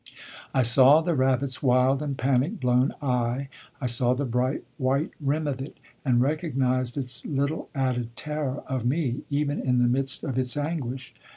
I saw the rabbit's wild and panic blown eye, I saw the bright white rim of it, and recognised its little added terror of me even in the midst of its anguish.